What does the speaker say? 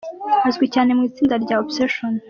Azwi cyane mu itsinda rya Obsession.